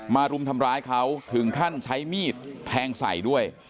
รุมทำร้ายเขาถึงขั้นใช้มีดแทงใส่ด้วย